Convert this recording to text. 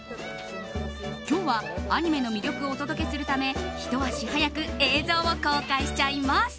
今日はアニメの魅力をお届けするためひと足早く映像を公開しちゃいます。